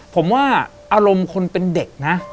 ผมว่าอารมณ์คนเป็นเด็กนะ